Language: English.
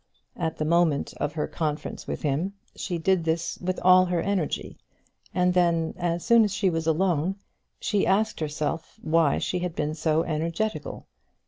At the moment of her conference with him, she did this with all her energy; and then, as soon as she was alone, she asked herself why she had been so energetical.